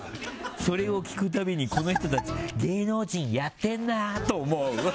それを聞くたびに、この人たち芸能人やってんなって思う。